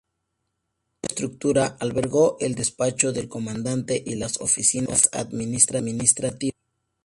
Dicha estructura albergó el despacho del Comandante y las oficinas administrativas.